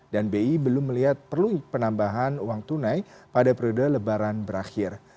dan bi belum melihat perlu penambahan uang tunai pada periode lebaran berakhir